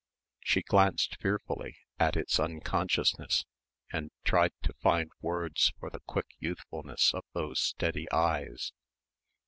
She glanced fearfully, at its unconsciousness, and tried to find words for the quick youthfulness of those steady eyes.